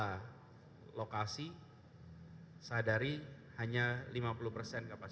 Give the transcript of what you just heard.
masa transisi adalah kegiatan yang paling penting sekitar dua puluh persen dari lima puluh persen